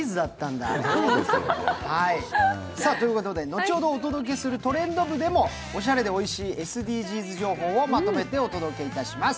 後ほどお届けする「トレンド部」でもおしゃれでおいしいＳＤＧｓをまとめてお届けいたします。